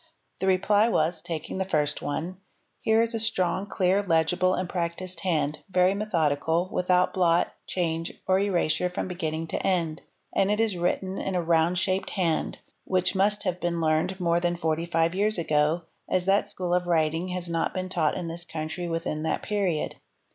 '' The reply was, taking the first one: 'Here is a strong, clear, legible, and practised hand, very methodical, without blot, change, or erasure from beginning to end, and is written in a round shaped hand, 7 which must have been learned more than forty five years ago, as that school of writing has not been taught in this country within that period.